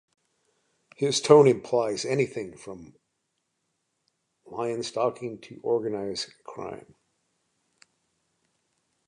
His tone implies anything front lion-stalking to organized crime.